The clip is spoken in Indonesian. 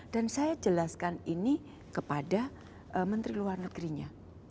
dan saya jelaskan ini kepada menteri luar negerinya